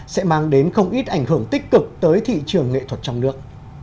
sẽ mang đến không ít ảnh hưởng tích cực tới thị trường nghệ thuật trong nước